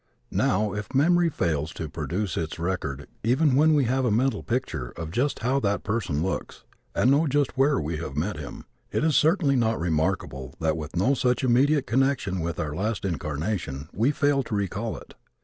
Now, if memory fails to produce its record even when we have a mental picture of just how that person looks, and know just where we have met him, it is certainly not remarkable that with no such immediate connection with our last incarnation we fail to recall it.